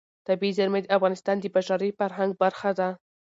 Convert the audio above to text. طبیعي زیرمې د افغانستان د بشري فرهنګ برخه ده.